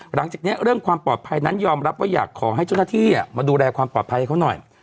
หลังจากนี้เรื่องความปลอดภัยนั้นยอมรับว่าอยากขอให้เจ้าหน้าที่มาดูแลความปลอดภัยให้เขาหน่อย